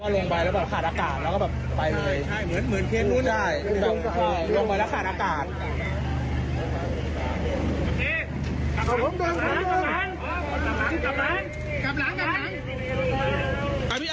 ลงไปแล้วก็ขาดอากาศลงไปเลย